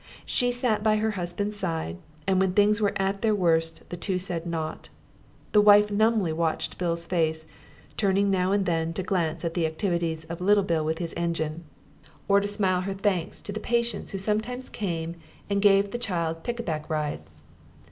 She sat by her husband's side, and when things were at their worst the two said naught. The wife numbly watched her Bill's face, turning now and then to glance at the activities of little Bill with his engine, or to smile her thanks to the patients who sometimes came and gave the child pickaback rides.